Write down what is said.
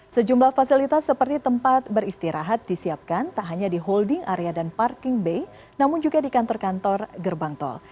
sejumlah fasilitas seperti tempat beristirahat disiapkan tak hanya di holding area dan parking bay namun juga di kantor kantor gerbang tol